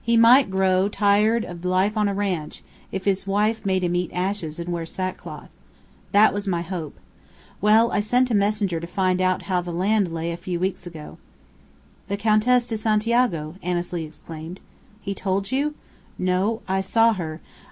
He might grow tired of life on a ranch if his wife made him eat ashes and wear sack cloth. That was my hope. Well, I sent a messenger to find out how the land lay a few weeks ago." "The Countess de Santiago!" Annesley exclaimed. "He told you?" "No, I saw her.